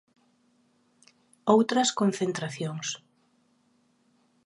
Outras concentracións.